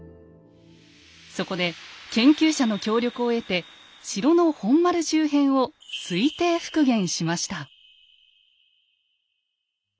そこで研究者の協力を得て城の本丸周辺を推定復元しました。